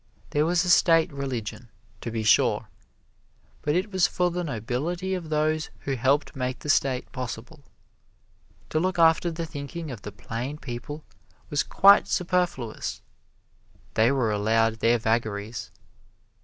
There was a State Religion, to be sure, but it was for the nobility or those who helped make the State possible. To look after the thinking of the plain people was quite superfluous they were allowed their vagaries.